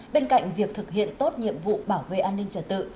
bên cạnh việc thực hiện tốt nhiệm vụ bảo vệ an ninh trật tự